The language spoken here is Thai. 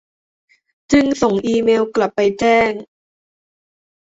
จึงส่งอีเมล์กลับไป แจ้ง